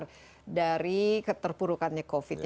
hasil keluar dari keterpurukannya covid sembilan belas